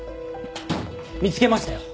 見つけましたよ。